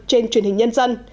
trên truyền hình nhân dân